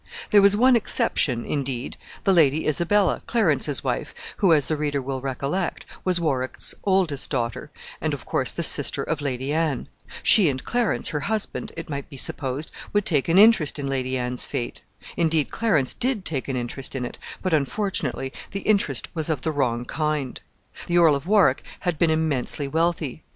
There was one exception, indeed, the Lady Isabella, Clarence's wife, who, as the reader will recollect, was Warwick's oldest daughter, and, of course, the sister of Lady Anne. She and Clarence, her husband, it might be supposed, would take an interest in Lady Anne's fate. Indeed, Clarence did take an interest in it, but, unfortunately, the interest was of the wrong kind. The Earl of Warwick had been immensely wealthy.